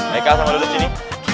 mereka sama dulu sini